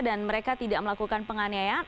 dan mereka tidak melakukan penganiayaan